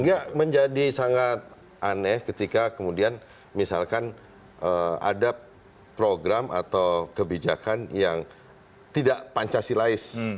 enggak menjadi sangat aneh ketika kemudian misalkan ada program atau kebijakan yang tidak pancasilais